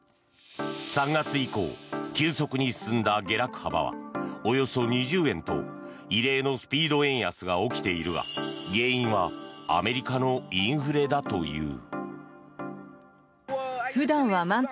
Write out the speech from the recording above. ３月以降、急速に進んだ下落幅はおよそ２０円と異例のスピード円安が起きているが原因はアメリカのインフレだという。